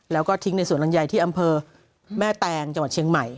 แล้วก็ทิ้งในสวนลำไยที่อำเภอแม่แตงจังหวัดเชียงใหม่